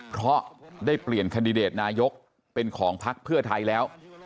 เพราะได้เปลี่ยนแคนดิเดตนายกเป็นของพักเพื่อไทยแล้ว